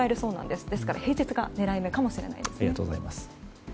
ですから平日が狙い目かもしれません。